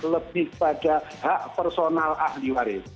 lebih pada hak personal ahli waris